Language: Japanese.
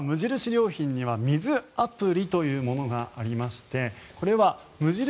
良品には水アプリというものがありましてこれは無印